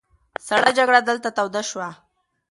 سړه جګړه دلته توده شوه.